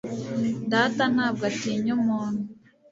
Data ntabwo atinya umuntu